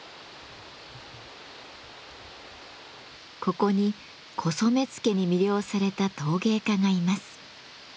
ここに古染付に魅了された陶芸家がいます。